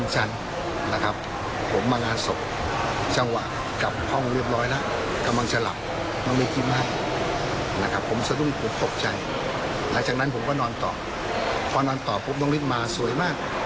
หลังจากนั้นผมก็นอนต่อพอนอนต่อปุ๊บน้องฤทธิ์มาสวยมาก